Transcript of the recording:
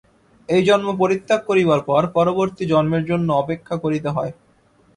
এই জন্ম পরিত্যাগ করিবার পর পরবর্তী জন্মের জন্য অপেক্ষা করিতে হয়।